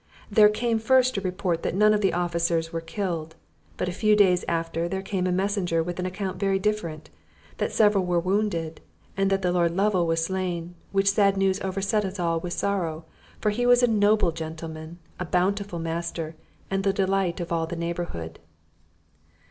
There came first a report that none of the officers were killed; but a few days after there came a messenger with an account very different, that several were wounded, and that the Lord Lovel was slain; which sad news overset us all with sorrow, for he was a noble gentleman, a bountiful master, and the delight of all the neighbourhood."